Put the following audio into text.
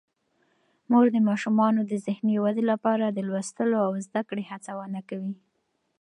مور د ماشومانو د ذهني ودې لپاره د لوستلو او زده کړې هڅونه کوي.